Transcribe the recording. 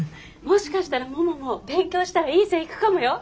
もしかしたらももも勉強したらいい線いくかもよ！